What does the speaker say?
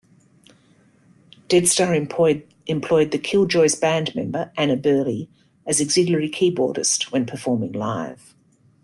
deadstar employed The Killjoys' band member, Anna Burley, as auxiliary keyboardist when performing live.